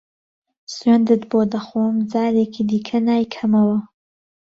سوێندت بۆ دەخۆم جارێکی دیکە نایکەمەوە.